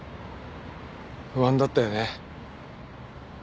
不安だったよね。